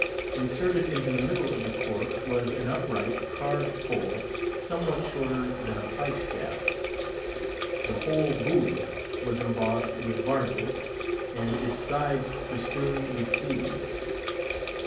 Inserted into the middle of the cork was an upright, carved pole, somewhat shorter than a pike staff. The whole buoy was embossed with barnacles, and its sides festooned with sea weeds.